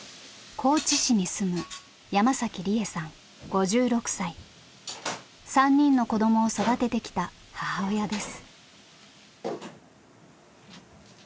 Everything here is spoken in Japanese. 高知市に住む３人の子どもを育ててきた母親です。